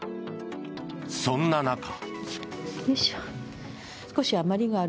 そんな中。